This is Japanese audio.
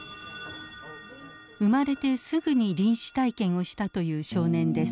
生まれてすぐに臨死体験をしたという少年です。